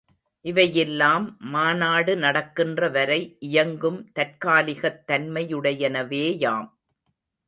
இவையெல்லாம், மாநாடு நடக்கின்ற வரை இயங்கும் தற்காலிகத் தன்மையுடையனவேயாம்.